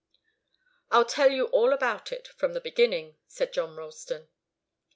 "I'll tell you all about it, from the beginning," said John Ralston.